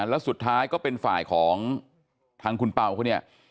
แล้วสุดท้ายก็เป็นฝ่ายของทางคุณเป่าเขาเนี่ย